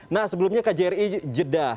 nah sebelumnya kjri jeda